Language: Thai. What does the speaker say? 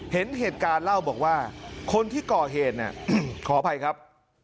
เห็นเหตุการณ์เล่าบอกว่าคนที่ก่อเหตุเนี่ยขออภัยครับ